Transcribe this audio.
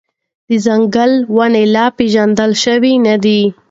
ډېر ځنګلي ونې لا پېژندل شوي نه دي.